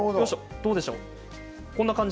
どうでしょうか？